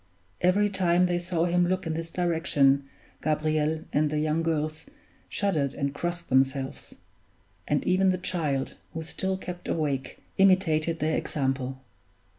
Every time they saw him look in this direction Gabriel and the young girls shuddered and crossed themselves; and even the child, who still kept awake, imitated their example.